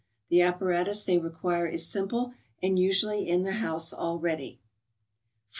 The apparatus they require is simple, and usually in the house already. 4fm?